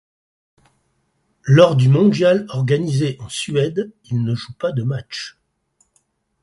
Lors du mondial organisé en Suède, il ne joue pas de matchs.